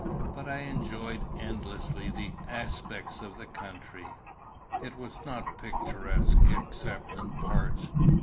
But I enjoyed endlessly the aspects of the country. It was not picturesque except in parts.